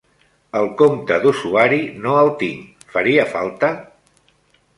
El compte d'usuari no el tinc, faria falta?